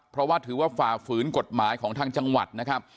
เพราะว่าถือว่าฝ่าฝืนกฎหมายของทางจังหวัดนะครับ